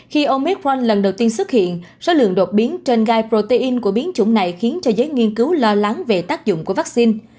khi omec frank lần đầu tiên xuất hiện số lượng đột biến trên gai protein của biến chủng này khiến cho giới nghiên cứu lo lắng về tác dụng của vaccine